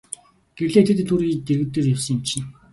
Гэрлээ тэр дэлгүүрийн дэргэдүүр явсан юм чинь.